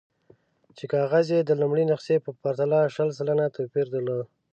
چې کاغذ یې د لومړۍ نسخې په پرتله شل سلنه توپیر درلود.